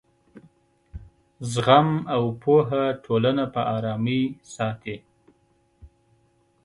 زغم او پوهه ټولنه په ارامۍ ساتي.